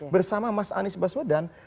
bersama mas anies baswadan